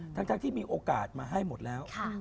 ทั้งที่มีโอกาสมาให้หมดแล้ว